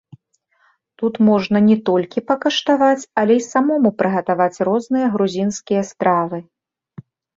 Тут можна не толькі пакаштаваць, але і самому прыгатаваць розныя грузінскія стравы.